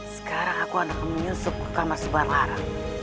sekarang aku anak menyusup ke kamar subarlara